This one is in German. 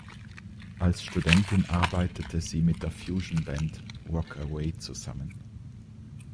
Als Studentin arbeitete sie mit der Fusionband "Walk Away" zusammen.